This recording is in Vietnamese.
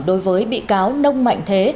đối với bị cáo nông mạnh thế